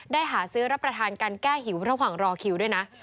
หาซื้อรับประทานกันแก้หิวระหว่างรอคิวด้วยนะ